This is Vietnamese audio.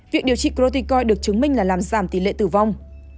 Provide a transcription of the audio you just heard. việc điều trị croticoin được chứng minh là làm giảm tỷ lệ tử vong